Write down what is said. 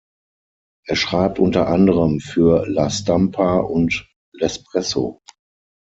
Er schreibt unter anderem für La Stampa und L’Espresso.